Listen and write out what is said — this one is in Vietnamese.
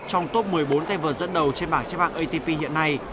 trong top một mươi bốn tay vượt dẫn đầu trên bảng xe bạc atp hiện nay